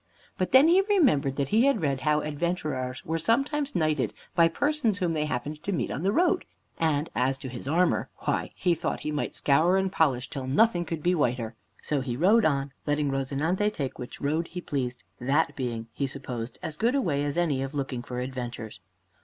But then he remembered that he had read how adventurers were sometimes knighted by persons whom they happened to meet on the road. And as to his armor, why, he thought he might scour and polish that till nothing could be whiter. So he rode on, letting "Rozinante" take which road he pleased, that being, he supposed, as good a way as any of looking for adventures.